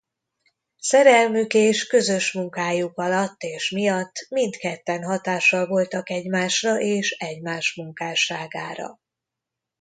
Szerelmük és közös munkájuk alatt és miatt mindketten hatással voltak egymásra és egymás munkásságára.